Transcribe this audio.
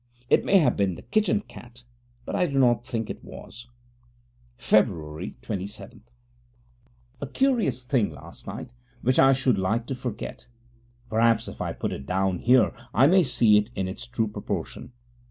It may have been the kitchen cat, but I do not think it was. Feb. 27 A curious thing last night, which I should like to forget. Perhaps if I put it down here I may see it in its true proportion.